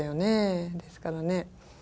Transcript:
ですからね